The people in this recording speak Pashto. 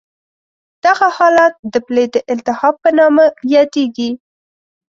دغه حالت د پلې د التهاب په نامه یادېږي.